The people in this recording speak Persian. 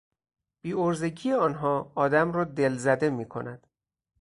بیعرضگی آنها آدم را دلزده میکند.